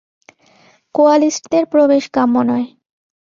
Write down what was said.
কোয়ালিস্টদের প্রবেশ কাম্য নয়।